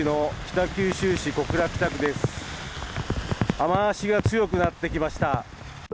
雨足が強くなってきました。